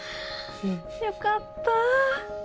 よかった。